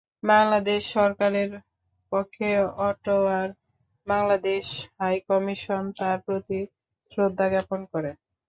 বাংলাদেশ সরকারের পক্ষে অটোয়ার বাংলাদেশ হাইকমিশন তার প্রতি শ্রদ্ধা জ্ঞাপন করে।